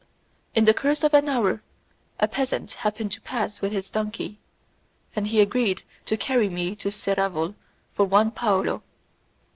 In the course of an hour a peasant happened to pass with his donkey, and he agreed to carry me to Seraval for one paolo.